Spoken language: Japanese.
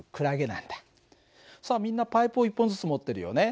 さあみんなパイプを１本ずつ持ってるよね。